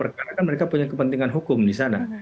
karena mereka punya kepentingan hukum di sana